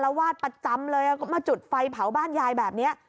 วาดประจำเลยก็มาจุดไฟเผาบ้านยายแบบนี้